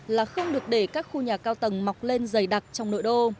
là không được để các khu nhà cao tầng mọc lên dày đặc trong nội đô